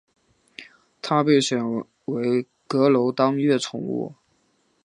他被选为阁楼当月宠物。